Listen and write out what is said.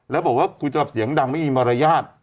แล้วบอกว่ากูจะแบบเสียงดังไม่มีมารยาท